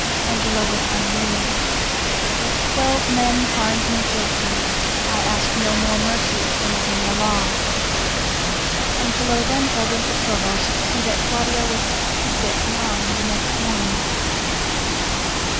Angelo was unmoved. "If twelve men find me guilty, I ask no more mercy than is in the law." Angelo then ordered the Provost to see that Claudio was executed at nine the next morning.